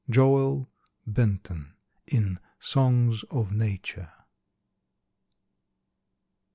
—Joel Benton, in "Songs of Nature."